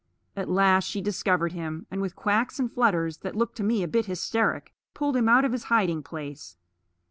At last she discovered him, and with quacks and flutters that looked to me a bit hysteric pulled him out of his hiding place.